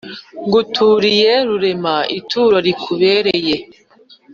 Nguturiye rurema ituro rikubereye